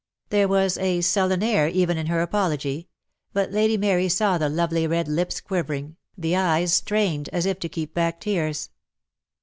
There was a sullen air even in her apology; but Lady Mary saw the lovely red lips quivering, the eyes strained as if to keep back tears.